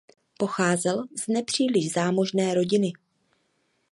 Pocházel z nepříliš zámožné rodiny.